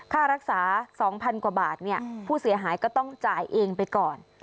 ค่ารักษา๒๐๐๐กว่าบาทผู้เสียหายก็ต้องจ่ายเองไปก่อน